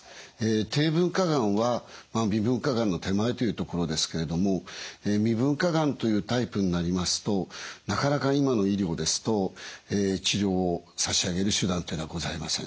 低分化がんはまあ未分化がんの手前というところですけれども未分化がんというタイプになりますとなかなか今の医療ですと治療をさしあげる手段というのはございません。